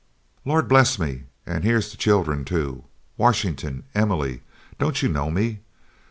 Lord bless me and here's the children, too! Washington, Emily, don't you know me?